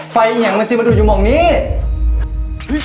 ไฟยังมันสิมมันดูดอยู่มองนี้